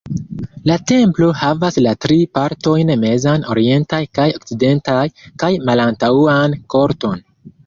La templo havas la tri partojn mezan, orientan kaj okcidentan, kaj malantaŭan korton.